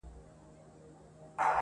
ه تا ويل اور نه پرېږدو تنور نه پرېږدو.